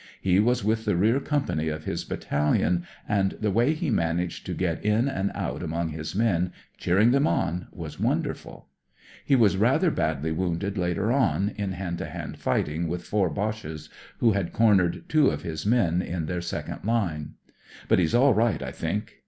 He was with the rear company of his battalion. DESCRIBING INDESCRIBABLE 58 and the way he managed to get m and out among his men, cheering them on, was wonderful. He was rather badly wounded later on, in hand to hand fighting with four Boches who had cornered two of his men, in their second line. But he's all right, I think.